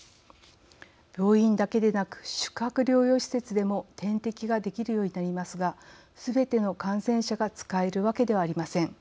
病院だけでなく宿泊療養施設でも点滴ができるようになりますがすべての感染者が使えるわけではありません。